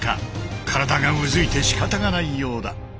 体がうずいてしかたがないようだ。